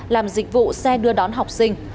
làm dịch vụ xe đưa đón học sinh